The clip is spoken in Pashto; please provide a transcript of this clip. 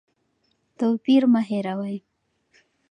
توپیر مه هېروئ.